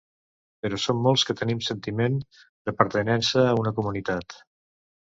Però som molts que tenim sentiment de pertinença a una comunitat.